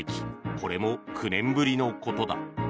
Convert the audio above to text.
これも９年ぶりのことだ。